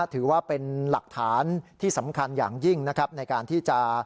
ถือว่าเป็นหลักฐานที่สำคัญอย่างยิ่งนะครับในการที่จะ